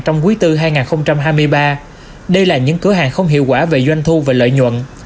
trong quý bốn hai nghìn hai mươi ba đây là những cửa hàng không hiệu quả về doanh thu và lợi nhuận